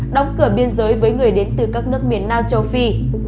đóng cửa biên giới với người đến từ các nước miền nam châu phi